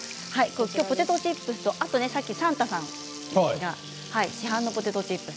きょうはポテトチップスとさっき、サンタさんですが市販のポテトチップです。